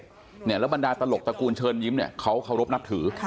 แล้วบรรดาตลกตระกูลเชิญยิ้มเนี่ยเขาเคารพนับถือ